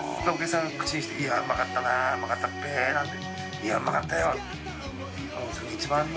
「いやうまかったよ」